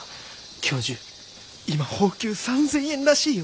教授今俸給３，０００円らしいよ！